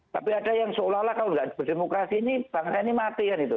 tapi ada yang seolah olah kalau nggak berdemokrasi ini bangsa ini mati kan itu